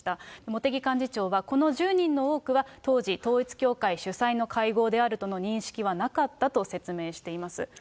茂木幹事長はこの１０人の多くは、当時、統一教会主催の会合であるとの認識はなかったと説明しています。